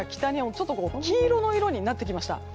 ちょっと黄色の色になってきました。